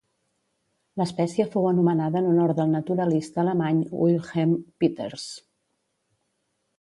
L'espècie fou anomenada en honor del naturalista alemany Wilhelm Peters.